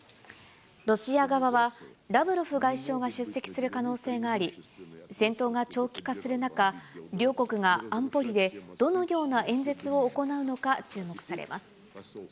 ロシア側はラブロフ外相が出席する可能性があり、戦闘が長期化する中、両国が安保理でどのような演説を行うのか、注目されます。